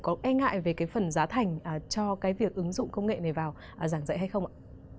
có e ngại về cái phần giá thành cho cái việc ứng dụng công nghệ này vào giảng dạy hay không ạ